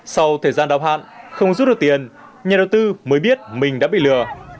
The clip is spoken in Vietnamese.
sau thời gian đọc hạn không rút được tiền nhà đầu tư mới biết mình đã bị lừa